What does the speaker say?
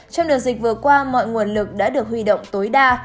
trong đợt dịch vừa qua mọi nguồn lực đã được huy động tối đa